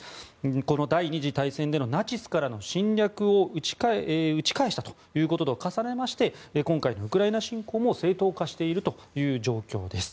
この第２次大戦でのナチスからの侵略を打ち返したということと重ねまして今回のウクライナ侵攻も正当化しているという状況です。